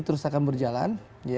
terus akan berjalan